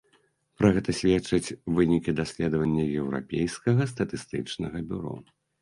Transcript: Пра гэта сведчаць вынікі даследавання еўрапейскага статыстычнага бюро.